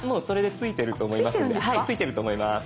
ついてると思います。